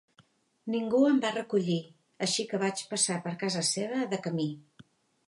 Ningú em va recollir, així que vaig passar per casa seva de camí.